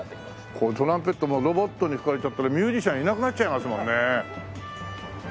トランペットもロボットに吹かれちゃったらミュージシャンいなくなっちゃいますもんね。